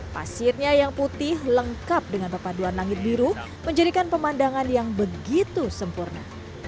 pasirnya yang putih lengkap dengan perpaduan langit biru menjadikan pemandangan yang begitu sempurna